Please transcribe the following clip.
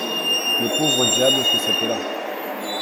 Les pauvres diables que c'étaient là!